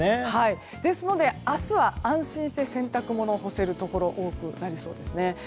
ですので、明日は安心して洗濯物を干せるところが多くなりそうです。